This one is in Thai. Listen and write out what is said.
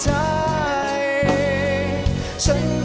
ฉันก็ไม่รู้แล้วว่าที่ไหนควรเจอเยอะต้องทนคืน